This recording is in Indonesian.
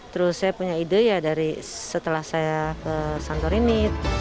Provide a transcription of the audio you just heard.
terus saya punya ide ya dari setelah saya ke kantor ini